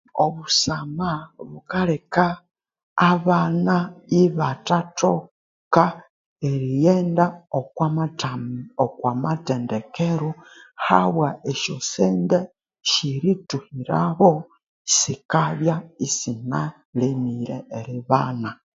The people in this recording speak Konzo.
Obusama bukaleka abana ibathathoka erighenda okwa matha okwamathendekero habwa esyo sente syerithuhiraho sikabya isinalemire eribana